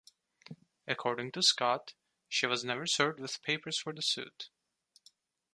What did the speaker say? According to Scott, she was never served with papers for the suit.